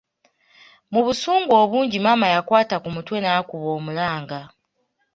Mu busungu obungi maama yakwata ku mutwe n’akuba omulanga.